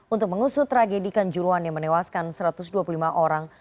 untuk mengusut tragedi kanjuruan yang menewaskan satu ratus dua puluh lima orang